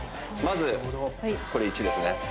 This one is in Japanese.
まずこれ１ですね